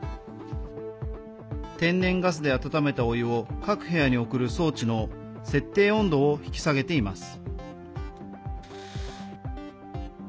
天然ガスで温めたお湯を各部屋に送る装置の設定温度を引き下げています。